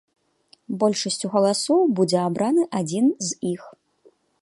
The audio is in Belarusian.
Большасцю галасоў будзе абраны адзін з іх.